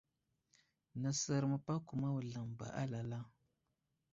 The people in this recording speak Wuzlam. Nəsər məpako ma wuzlam ba alala.